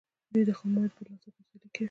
دوی د خامو موادو په ترلاسه کولو کې سیالي کوي